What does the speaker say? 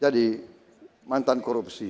jadi mantan korupsi